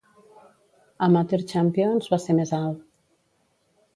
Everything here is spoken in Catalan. Amateur Champions va ser més alt.